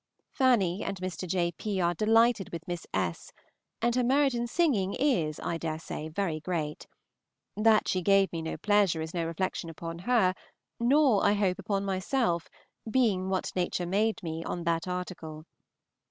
Fanny and Mr. J. P. are delighted with Miss S., and her merit in singing is, I dare say, very great; that she gave me no pleasure is no reflection upon her, nor, I hope, upon myself, being what Nature made me on that article.